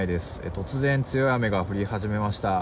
突然、強い雨が降り始めました。